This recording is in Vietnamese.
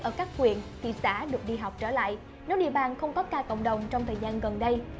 ở các huyện thị xã được đi học trở lại nếu địa bàn không có ca cộng đồng trong thời gian gần đây